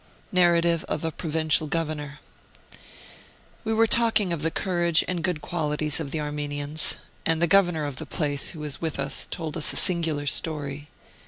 NARRATIVE OF A PROVINCIAL GOVERNOR. We were talking of the courage and good qualities of the Armenians, and the Governor of the place, who was with us, told us a singular story.